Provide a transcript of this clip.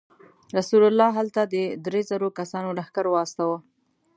رسول الله هلته د درې زرو کسانو لښکر واستاوه.